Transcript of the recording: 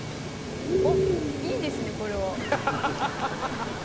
あっいいですねこれは。